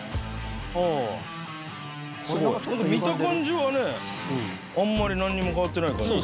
・ああ見た感じはねあんまりなんにも変わってない感じ